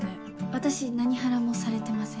私何ハラもされてません。